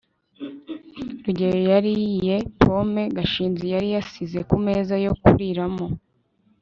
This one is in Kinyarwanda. rugeyo yariye pome gashinzi yari yasize kumeza yo kuriramo